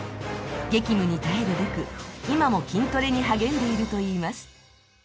激務に耐えるべく今も筋トレに励んでいるといいます。